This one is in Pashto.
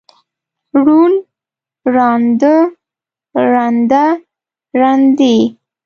ړوند، ړانده، ړنده، ړندې.